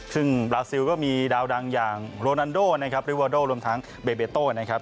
ซึ่งบราซิลก็มีดาวดังอย่างโรนันโดนะครับริวาโดรวมทั้งเบเบโต้นะครับ